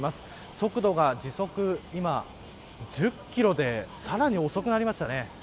速度が今、時速１０キロでさらに遅くなりました。